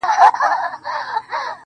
په ياد کي ساته د حساب او د کتاب وخت ته.